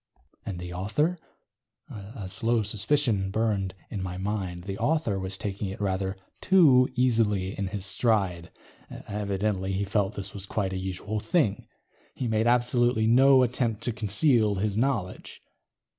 And the author? A slow suspicion burned in my mind. The author was taking it rather too easily in his stride. Evidently, he felt this was quite a usual thing. He made absolutely no attempt to conceal this knowledge.